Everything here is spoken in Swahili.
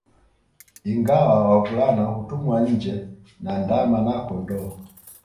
Ingawa wavulana hutumwa nje na ndama na kondooo